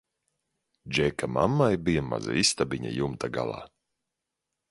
Džeka mammai bija maza istabiņa jumta galā.